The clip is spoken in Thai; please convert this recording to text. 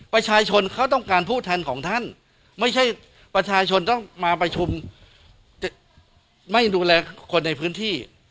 ประชาชนเขาต้องการผู้แทนของท่านไม่ใช่ประชาชนต้องมาประชุมไม่ดูแลคนในพื้นที่